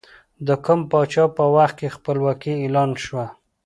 د کوم پاچا په وخت کې خپلواکي اعلان شوه؟